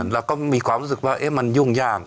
เราก็มีความรู้สึกว่ามันยุ่งยาก